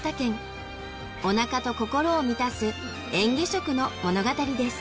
お腹と心を満たす嚥下食の物語です。